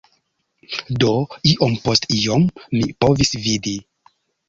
Do iom post iom mi povis vidi: